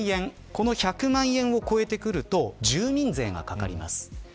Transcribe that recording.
この１００万円を超えると住民税がかかります。